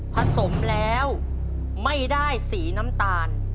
ผสมแล้วไม่ได้สีน้ำตาล